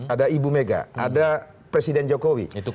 ada ibu mega ada presiden jokowi